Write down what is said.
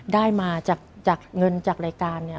ได้มาจากเงินจากรายการเนี่ย